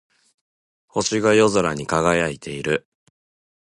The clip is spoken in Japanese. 星が夜空に輝いている。